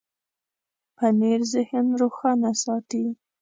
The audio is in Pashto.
پنېر ذهن روښانه ساتي.